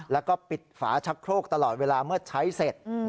แล้วก็ปิดฝาชักโครกตลอดเวลาเมื่อใช้เสร็จ